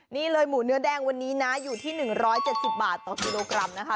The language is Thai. นี่เลยหมูเนื้อแดงวันนี้นะอยู่ที่๑๗๐บาทต่อกิโลกรัมนะคะ